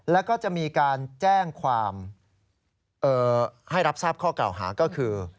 แล้วก็จะมีการแจ้งความให้รับทราบข้อกล่าวหาก็คือ